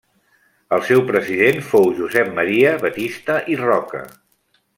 El seu president fou Josep Maria Batista i Roca.